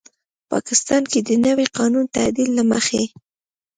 پاکستان کې د نوي قانوني تعدیل له مخې